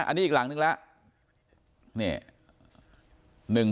อันนี้อีกหลังนึงแล้ว